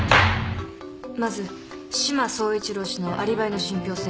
まず志摩総一郎氏のアリバイの信ぴょう性。